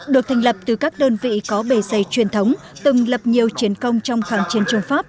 được thành lập từ các đơn vị có bề xây truyền thống từng lập nhiều chiến công trong khẳng chiến chống pháp